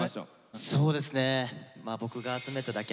そうですね